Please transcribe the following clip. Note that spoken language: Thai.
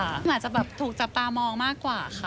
อาจจะแบบถูกจับตามองมากกว่าค่ะ